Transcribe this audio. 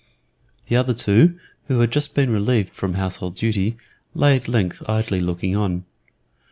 The other two, who had just been relieved from household duty, lay at length idly looking on.